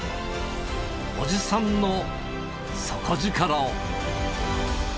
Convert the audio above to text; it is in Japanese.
おじさんの底力を。